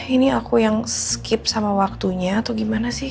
ini aku yang skip sama waktunya atau gimana sih